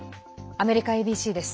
アメリカＡＢＣです。